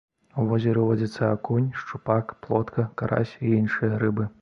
У возеры водзяцца акунь, шчупак, плотка, карась і іншыя рыбы.